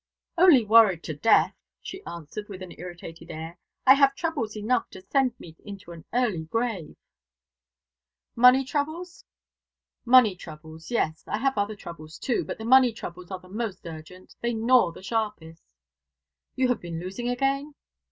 "Only worried to death," she answered, with an irritated air. "I have troubles enough to send me into an early grave." "Money troubles?" "Money troubles. Yes. I have other troubles, too, but the money troubles are the most urgent. They gnaw the sharpest." "You have been losing again?"